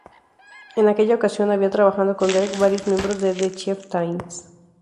En aquella ocasión, había trabajando con Derek varios miembros de "The Chieftains".